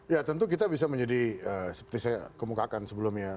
ya tentu kita bisa menjadi seperti saya kemukakan sebelumnya